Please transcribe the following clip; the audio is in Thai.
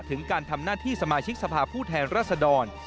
ถึงการทำหน้าที่สมาชิกสภาพผู้แทนรัศดร